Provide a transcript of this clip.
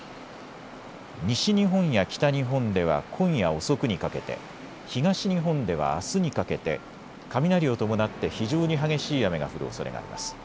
西日本や北日本では今夜遅くにかけて、東日本ではあすにかけて雷を伴って非常に激しい雨が降るおそれがあります。